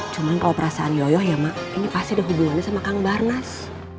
cuma kalau perasaan yoyoh ya mak ini pasti ada hubungannya sama kang barnas